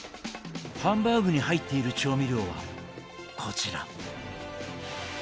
ハンバーグに入っている調味料はこちら。